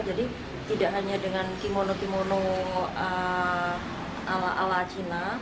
jadi tidak hanya dengan kimono kimono ala cina